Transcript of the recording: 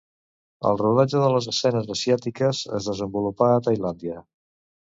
El rodatge de les escenes asiàtiques es desenvolupà a Tailàndia.